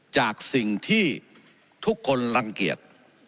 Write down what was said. จากสิ่งที่ทุกคนรังเกียจ